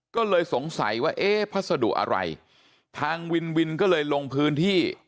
ก็เลยสงสัยว่าเอ๊ะพัสดุอะไรทางวินวินก็เลยลงพื้นที่